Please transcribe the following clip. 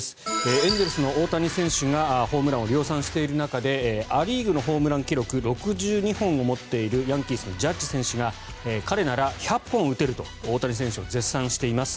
エンゼルスの大谷選手がホームランを量産している中でア・リーグのホームラン記録６２本を持っているヤンキースのジャッジ選手が彼なら１００本打てると大谷選手を絶賛しています。